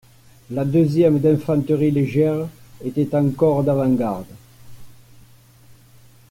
La deuxième d'infanterie légère était encore d'avant-garde.